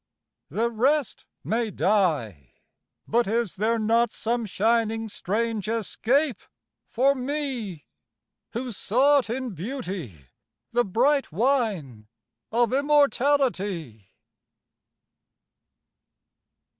The rest may die but is there not Some shining strange escape for me Who sought in Beauty the bright wine Of immortality?